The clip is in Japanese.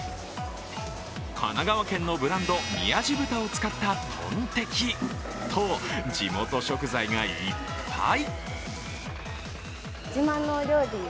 神奈川県のブランド、みやじ豚を使ったトンテキと、地元食材がいっぱい！